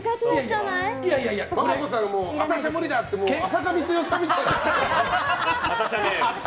和歌子さん、私は無理だって浅香光代さんみたいに。